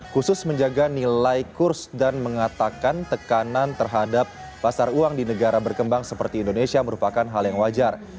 khusus menjaga nilai kurs dan mengatakan tekanan terhadap pasar uang di negara berkembang seperti indonesia merupakan hal yang wajar